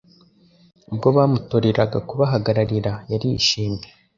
ubwo bamutoreraga kubahagararira yarishimye .